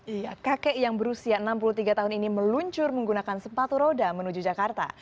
iya kakek yang berusia enam puluh tiga tahun ini meluncur menggunakan sepatu roda menuju jakarta